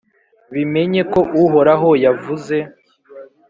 bimenye ko Uhoraho yavuze.»